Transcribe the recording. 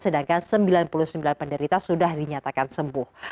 sedangkan sembilan puluh sembilan penderita sudah dinyatakan sembuh